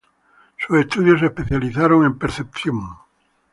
Sus estudios se especializaron en percepción.